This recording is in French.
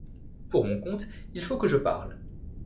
Pour mon compte, il faut que je parle.